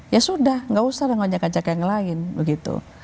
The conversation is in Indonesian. ya sudah gak usah dengan ngajak ngajak yang lain begitu